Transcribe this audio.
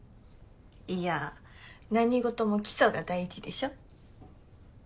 いや何事も基礎が大事でしょ。